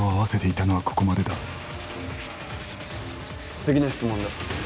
次の質問だ。